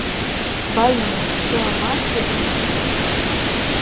Val més ser amat que temut.